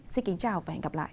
xin kính chào và hẹn gặp lại